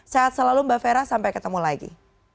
sehat selalu mbak fera sampai ketemu lagi